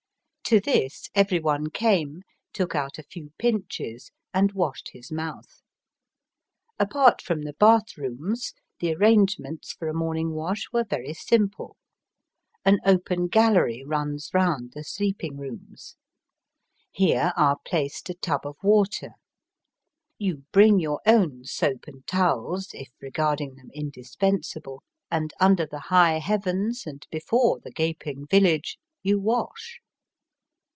To this every one came, took out a few pinches, and washed his mouth. Apart from the bath rooms, the arrangements for a morning wash were very simple. An open gallery runs round the Digitized by CjOOQiC 250 BAST BY WEST. sleeping rooms. Here are placed a tub of water. You bring your own soap and towels if regarding them indispensable, and, under the high heavens and before the gaping village, you wash.